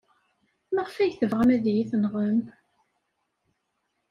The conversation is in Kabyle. Maɣef ay tebɣam ad iyi-tenɣem?